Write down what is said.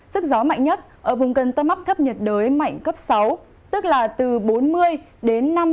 sức gió mạnh nhất ở vùng gần tâm áp thấp nhiệt đới mạnh cấp sáu tức là từ bốn mươi đến năm mươi km một giờ giật cấp tám